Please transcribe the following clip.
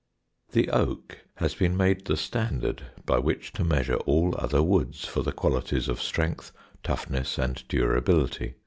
The oak has been made the standard by which to measure all other woods for the qualities of strength, toughness, and durability.